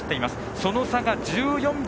その差が１４秒。